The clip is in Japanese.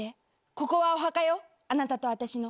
ここはお墓よ、あなたとあたしの。